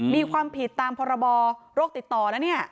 มีความผิดตามพรบโรคติดต่อนะเนี่ย